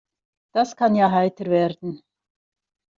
Das kann ja heiter werden.